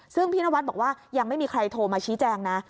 ซึ่งพี่นวัดบอกว่ายังไม่มีใครโทรมาชี้แจงนะ